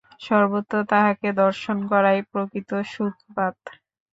সর্বত্র তাঁহাকে দর্শন করাই প্রকৃত সুখবাদ।